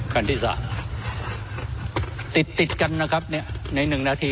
คันที่สามติดติดกันนะครับเนี่ยในหนึ่งนาที